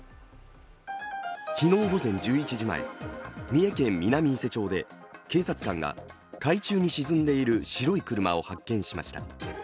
昨日午前１１時前、三重県南伊勢町で警察官が海中に沈んでいる白い車を発見しました。